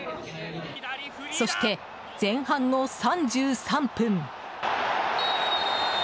そして、前半の３３分。